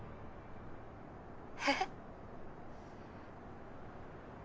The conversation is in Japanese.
えっ？